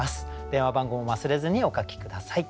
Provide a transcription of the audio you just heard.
電話番号も忘れずにお書き下さい。